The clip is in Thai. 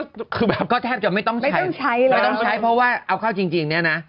ตอนนี้หลายภาพก็แทบจะไม่ต้องใช้ไม่ต้องใช้เพราะว่าเอาเข้าจริงเนี่ยนะ